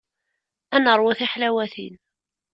Ad neṛwu tiḥlawatin.